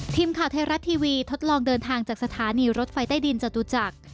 ทีมข่าวไทยรัฐทีวีทดลองเดินทางจากสถานีรถไฟใต้ดินจตุจักร